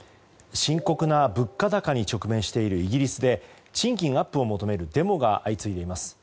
深刻な物価高に直面しているイギリスで賃金アップを求めるデモが相次いでいます。